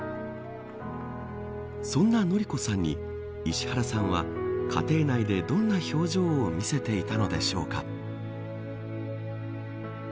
そんな典子さんに石原さんは家庭内でどんな表情を見せていたのでしょうか。